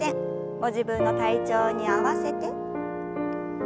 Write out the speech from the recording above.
ご自分の体調に合わせて。